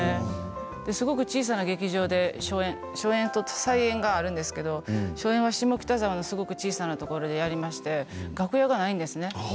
すごく小さな劇場で初演と再演があるんですけれど初演は下北沢のすごく小さなところでやりまして楽屋がないんですね。